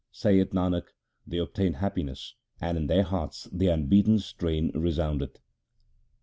Saith Nanak, they obtain happiness, and in their hearts the unbeaten strain resoundeth.